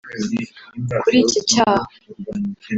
Kuri iki cyaha